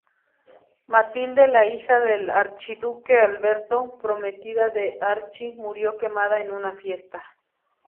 Matilde, la hija del archiduque Alberto, prometida de "Archi", murió quemada en una fiesta.